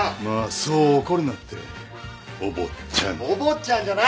まあそう怒るなってお坊ちゃん。